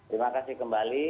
terima kasih kembali